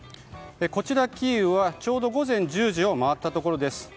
こちらキーウはちょうど午前１０時を回ったところです。